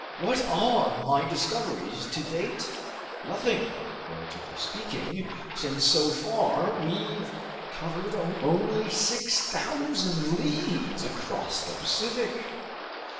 What are my discoveries to date? Nothing, relatively speaking—since so far we've covered only 6,000 leagues across the Pacific!